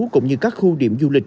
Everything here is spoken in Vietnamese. cũng như các khu điểm du lịch